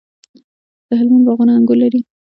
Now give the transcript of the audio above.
د هلمند باغونه انګور لري.